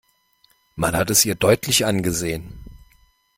Man hat es ihr deutlich angesehen.